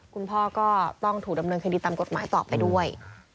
คุณพ่อก็ต้องถูกดำเนินคดีตามกฎหมายต่อไปด้วย